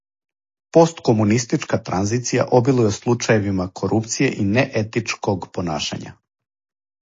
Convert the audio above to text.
Посткомунистичка транзиција обилује случајевима корупције и неетичког понашања.